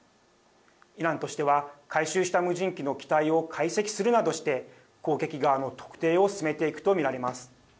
イランとしては回収した無人機の機体を解析するなどして攻撃側の特定を進めていくと見られます。